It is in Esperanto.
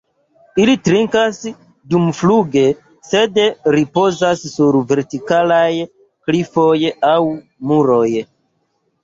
Ili trinkas dumfluge, sed ripozas sur vertikalaj klifoj aŭ muroj.